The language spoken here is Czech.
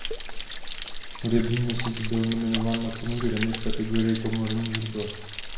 Hudební nosič byl nominován na cenu Grammy v kategorii komorní hudba.